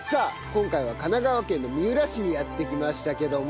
今回は神奈川県の三浦市にやって来ましたけども。